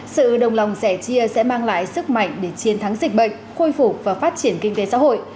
sự đồng lòng sẻ chia sẽ mang lại sức mạnh để chiến thắng dịch bệnh khôi phục và phát triển kinh tế xã hội